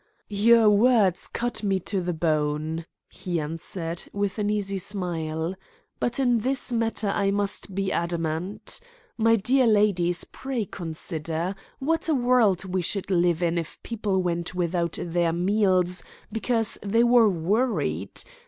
"Your words cut me to the bone," he answered, with an easy smile, "but in this matter I must be adamant. My dear ladies, pray consider. What a world we should live in if people went without their meals because they were worried.